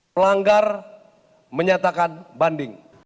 pelanggar menyatakan banding